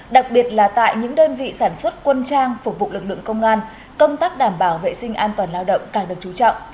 đặc biệt là tại những đơn vị sản xuất quân trang phục vụ lực lượng công an công tác đảm bảo vệ sinh an toàn lao động càng được chú trọng